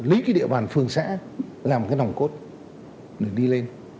lấy cái địa bàn phường xã làm cái nòng cốt để đi lên